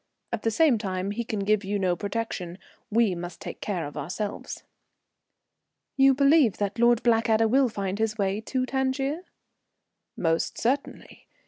At the same time he can give you no protection. We must take care of ourselves." "You believe that Lord Blackadder will find his way to Tangier?" "Most certainly.